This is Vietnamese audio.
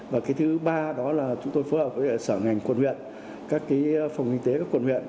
và cái thứ ba đó là chúng tôi phối hợp với sở ngành quận huyện các phòng kinh tế các quận huyện